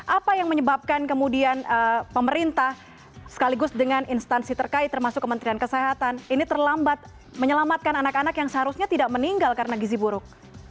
apa yang menyebabkan kemudian pemerintah sekaligus dengan instansi terkait termasuk kementerian kesehatan ini terlambat menyelamatkan anak anak yang seharusnya tidak meninggal karena gizi buruk